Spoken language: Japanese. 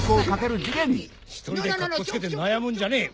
１人でカッコつけて悩むんじゃねえ！